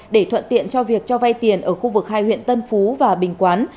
để thuận tiện cho việc cho vay tiền ở khu vực hai huyện tân phú và bình quán